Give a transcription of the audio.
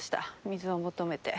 水を求めて。